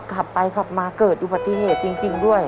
ขับไปขับมาเกิดอุบัติเหตุจริงด้วย